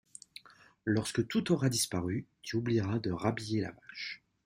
Lorsque tout aura disparu, tu oublieras de rhabiller la vache.